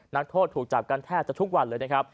นักโทษถูกจับกันแทบจะทุกวันเลยนะครับ